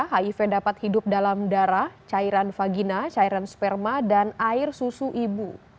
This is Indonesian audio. hiv dapat hidup dalam darah cairan vagina cairan sperma dan air susu ibu